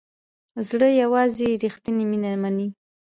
زړه یوازې ریښتیني مینه مني.